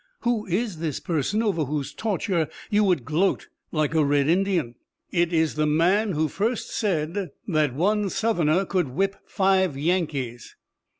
Who is this person over whose torture you would gloat like a red Indian?" "It is the man who first said that one Southerner could whip five Yankees."